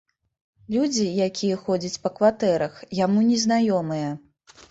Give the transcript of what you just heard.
Людзі, якія ходзяць па кватэрах, яму незнаёмыя.